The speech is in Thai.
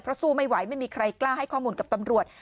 สู้ไม่ไหวไม่มีใครกล้าให้ข้อมูลกับตำรวจ